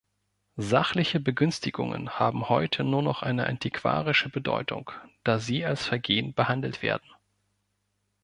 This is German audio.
Sachliche Begünstigungen haben heute nur noch eine antiquarische Bedeutung, da sie als Vergehen behandelt werden.